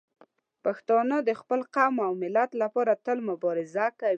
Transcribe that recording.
پښتانه د خپل قوم او ملت لپاره تل مبارزه کوي.